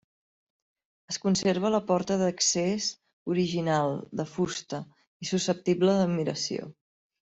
Es conserva la porta d'accés original, de fusta, i susceptible d'admiració.